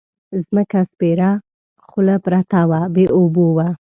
ځمکه سپېره خوله پرته وه بې اوبو وه.